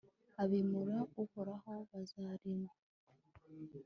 abimura uhoraho bazarimburwe